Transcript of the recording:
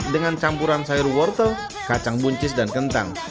dengan campuran sayur wortel kacang buncis dan kentang